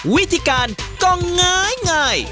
วิธีการก็ง้าย